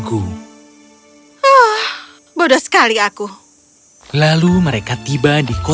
oh bodoh sekali aku